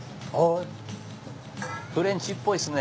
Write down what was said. フレンチっぽいですね。